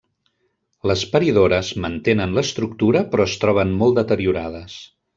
Les paridores mantenen l'estructura però es troben molt deteriorades.